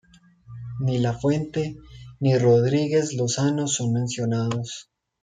Ni Lafuente ni Rodríguez Lozano son mencionados.